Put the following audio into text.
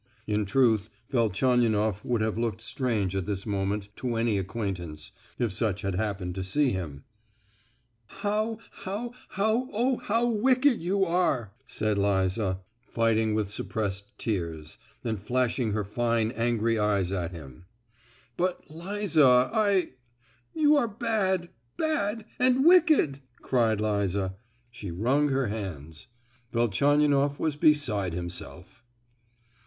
In truth, Velchaninoff would have looked strange at this moment to any acquaintance, if such had happened to see him! "How—how—how—oh! how wicked you are!" said Liza, fighting with suppressed tears, and flashing her fine angry eyes at him. "But Liza—I——" "You are bad—bad—and wicked!" cried Liza. She wrung her hands. Velchaninoff was beside himself.